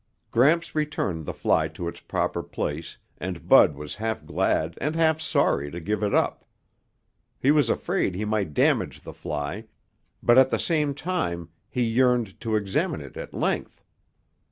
Gramps returned the fly to its proper place and Bud was half glad and half sorry to give it up. He was afraid he might damage the fly, but at the same time he yearned to examine it at length.